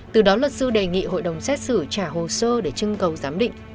từ đó luật sư đề nghị hội đồng xét xử trả hồ sơ để trưng cầu giám định